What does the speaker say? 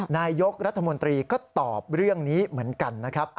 นายกรัฐมนตรีก็ตอบเรื่องนี้เหมือนกันนะครับ